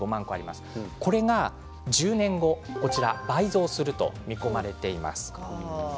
それが１０年後には倍増すると見込まれています。